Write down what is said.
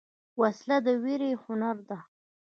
وسله د ویرې هنر ده